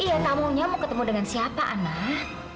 iya tamunya mau ketemu dengan siapa anak